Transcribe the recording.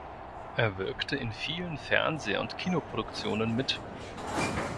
Er wirkte in vielen Fernseh- und Kinoproduktionen mit.